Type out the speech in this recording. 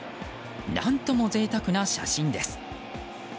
何とも贅沢な写真です。